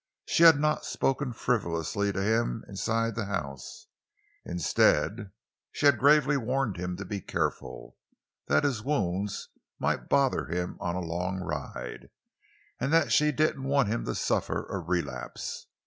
She had not spoken frivolously to him inside the house; instead, she had gravely warned him to be "careful;" that his wounds might bother him on a long ride—and that she didn't want him to suffer a relapse.